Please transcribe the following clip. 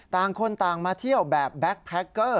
ต่างคนต่างมาเที่ยวแบบแบ็คแพคเกอร์